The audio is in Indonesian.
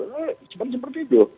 eh cuman seperti itu